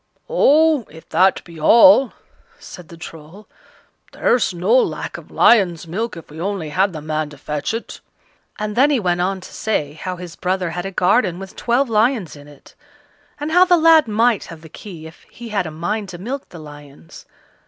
"Oh! if that be all," said the Troll, "there's no lack of lion's milk, if we only had the man to fetch it;" and then he went on to say how his brother had a garden with twelve lions in it, and how the lad might have the key if he had a mind to milk the lions.